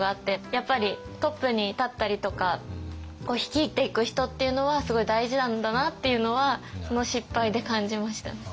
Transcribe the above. やっぱりトップに立ったりとか率いていく人っていうのはすごい大事なんだなっていうのはその失敗で感じましたね。